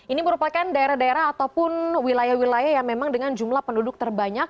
ini merupakan daerah daerah ataupun wilayah wilayah yang memang dengan jumlah penduduk terbanyak